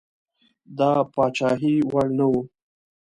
د پاچهي وړ نه وو.